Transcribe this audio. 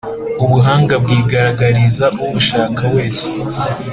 Ubuhanga bwigaragariza ubushaka wese